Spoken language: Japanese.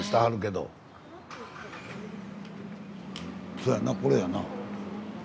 そやなこれやな。